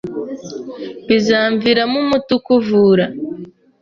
Bizamviramo umuti ukuvura